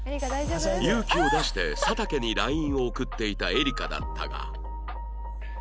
勇気を出して佐竹に ＬＩＮＥ を送っていたエリカだったが